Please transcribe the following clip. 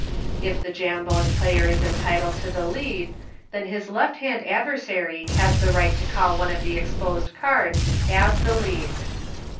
4 66 EUCHRE. If the Jambone player is entitled to the lead, then his 1^ hand adversary has the right to call one of the exposed cards as the lead.